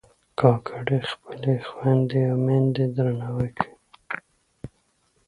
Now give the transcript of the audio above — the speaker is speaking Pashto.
کاکړي خپلې خویندې او میندې درناوي کوي.